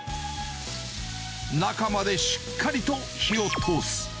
中までしっかりと火を通す。